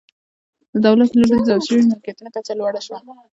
د دولت له لوري د ضبط شویو ملکیتونو کچه لوړه شوه